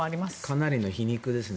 かなりの皮肉ですね。